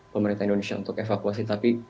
pemerintah indonesia untuk evakuasi tapi